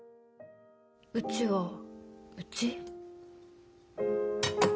うちはうち？